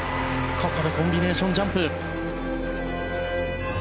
ここでコンビネーションジャンプ。